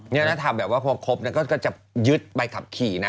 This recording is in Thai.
แล้วถามแบบว่าพอครบก็จะยึดไปขับขี่นะ